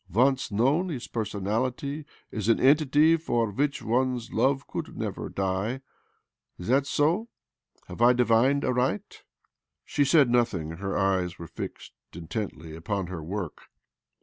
Once known, his personality is an entity for which one's love could never die. ... Is that so? Have I divined aright ?" She said nothing : her eyes were fixed in tently upon her work.